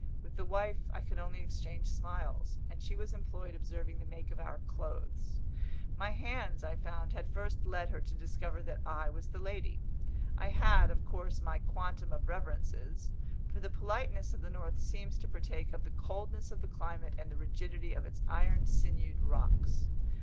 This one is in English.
With the wife I could only exchange smiles, and she was employed observing the make of our clothes. My hands, I found, had first led her to discover that I was the lady. I had, of course, my quantum of reverences; for the politeness of the north seems to partake of the coldness of the climate and the rigidity of its iron sinewed rocks.